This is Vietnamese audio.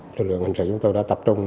lực lượng hình sự chúng tôi đã tập trung